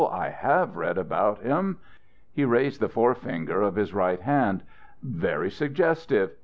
I have read about him." He raised the forefinger of his right hand. "Very suggestive.